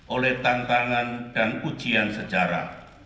oleh tantangan dan ujian sejarah